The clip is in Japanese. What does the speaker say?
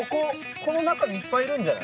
この中にいっぱいいるんじゃない？